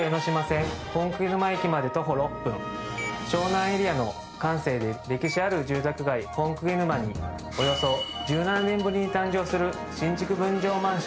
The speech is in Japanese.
湘南エリアの閑静で歴史ある住宅街本沼におよそ１７年ぶりに誕生する新築分譲マンションです。